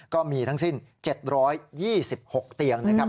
ก็มีทั้งสิ้น๗๒๖เตียงนะครับ